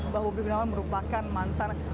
bahwa bin merupakan mantan